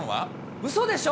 うそでしょ？